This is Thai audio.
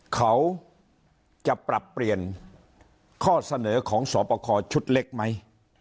เขาจะปรับเปลี่ยนข้อเสนอของสอบประคอชุดเล็กไหม